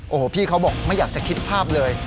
โอ้โหพี่เขาบอกไม่อยากจะคิดภาพเลย